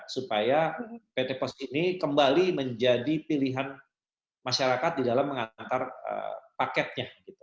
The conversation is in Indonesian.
supaya pt pos ini kembali menjadi pilihan masyarakat di dalam mengantar paketnya